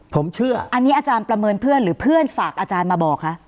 ผมเชื่ออันนี้อาจารย์ประเมินเพื่อนหรือเพื่อนฝากอาจารย์มาบอกคะ